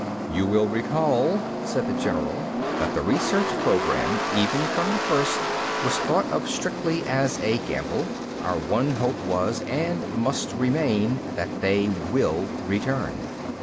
"You will recall," said the general, "that the research program, even from the first, was thought of strictly as a gamble. Our one hope was, and must remain, that they will return."